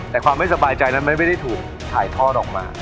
แต่ความไม่สบายใจนั้นไม่ได้ถูกถ่ายทอดออกมา